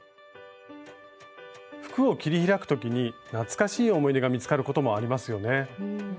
服を切り開く時に懐かしい思い出が見つかることもありますよね。